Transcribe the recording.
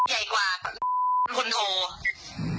ใหญ่กว่าคนโทร